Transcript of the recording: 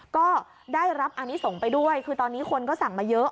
ก็ได้รับอนิสงฆ์ไปด้วยคือตอนนี้คนก็สั่งมาเยอะ